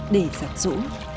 để giặt rũ